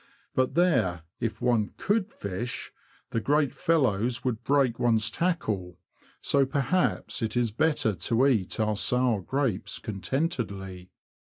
But there, if one could fish, the great fellows would break one's tackle ; so perhaps it is better to eat our sour grapes contentedly.